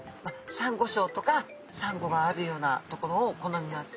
サンゴしょうとかサンゴがあるようなところを好みます。